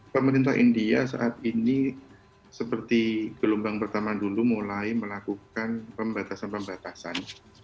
pemerintah india saat ini seperti gelombang pertama dulu mulai melakukan pembatasan pembatasan